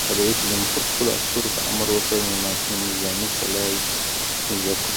رئیس جمهور خپلو عسکرو ته امر وکړ؛ نظامي سلامي زده کړئ!